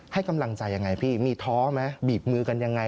ให้กำลังใจยังไงพี่มีท้อไหมบีบมือกันยังไง